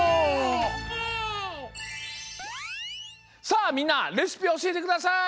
さあみんなレシピおしえてください。